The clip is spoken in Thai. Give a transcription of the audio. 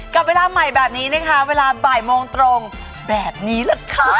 กับเวลาใหม่แบบนี้นะคะเวลาบ่ายโมงตรงแบบนี้แหละค่ะ